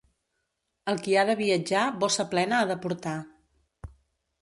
El qui ha de viatjar bossa plena ha de portar.